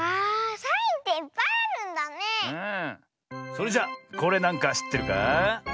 それじゃこれなんかしってるかあ？